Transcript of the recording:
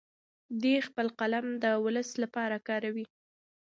دی خپل قلم د ولس لپاره کاروي.